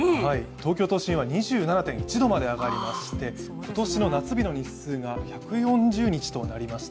東京都心は２７．１度まで上がりまして今年の夏日の日数が１４０日となりました。